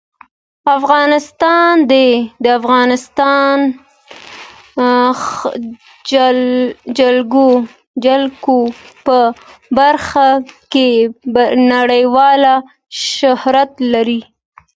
افغانستان د د افغانستان جلکو په برخه کې نړیوال شهرت لري.